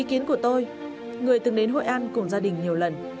ý kiến của tôi người từng đến hội an cùng gia đình nhiều lần